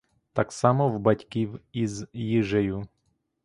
Так само в батьків і з їжею.